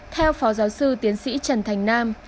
theo phó giáo sư tiến sĩ trần thành nam